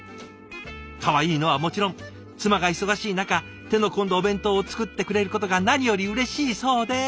かわいいのはもちろん妻が忙しい中手の込んだお弁当を作ってくれることが何よりうれしいそうです。